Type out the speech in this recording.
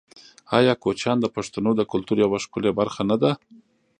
آیا کوچیان د پښتنو د کلتور یوه ښکلې برخه نه ده؟